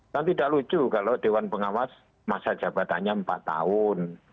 kan tidak lucu kalau dewan pengawas masa jabatannya empat tahun